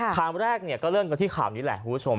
ครั้งแรกก็เริ่มกันที่ข่าวนี้แหละคุณผู้ชม